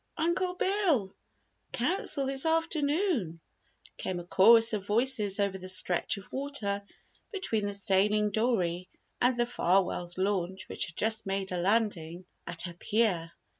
Uncle Bill! Council this afternoon!" came a chorus of voices over the stretch of water between the sailing dory and the Farwell's launch which had just made a landing at her pier.